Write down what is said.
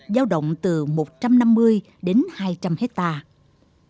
giao động từ một trăm năm mươi đến hai trăm linh hectare